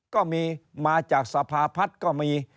ก็มีมาจากสภาพัฒน์ก็มี